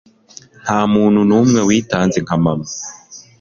Ntamuntu numwe witanze nka mama